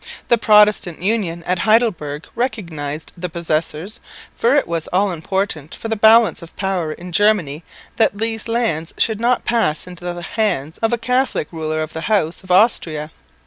The Protestant Union at Heidelberg recognised "the possessors," for it was all important for the balance of power in Germany that these lands should not pass into the hands of a Catholic ruler of the House of Austria.